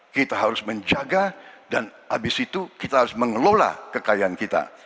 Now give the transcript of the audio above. kita harus menjaga dan abis itu kita harus mengelola kekayaan kita